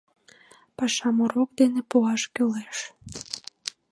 Пашам урок дене пуаш кӱлеш.